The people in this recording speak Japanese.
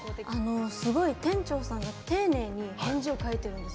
すごく店長さんが丁寧に返事を書いているんです。